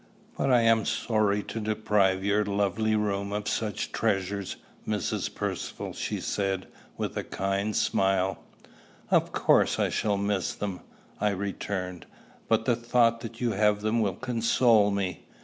"But I am sorry to deprive your lovely room of such treasures, Mrs. Percivale," she said, with a kind smile. "Of course I shall miss them," I returned; "but the thought that you have them will console me.